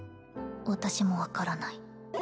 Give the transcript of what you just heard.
私も分からない